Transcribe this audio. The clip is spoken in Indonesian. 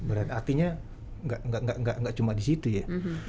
artinya nggak cuma di situ ya